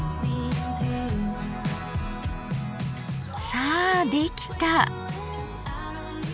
さあできた。